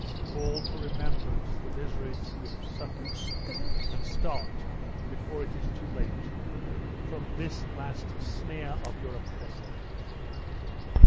Call to remembrance the miseries you have suffered, and start, before it be too late, from this last snare of your oppressor!